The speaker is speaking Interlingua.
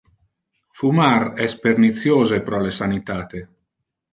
Fumar es perniciose pro le sanitate.